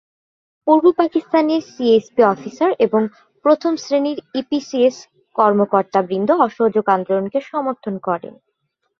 পূর্ব পকিস্তানের CSP officer এবং প্রথম শ্রেণির ইপিসিএস কর্মকর্তাবৃন্দ অসহযোগ আন্দোলনকে সমর্থন করেন।